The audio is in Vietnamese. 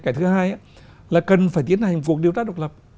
cái thứ hai là cần phải tiến hành cuộc điều tra độc lập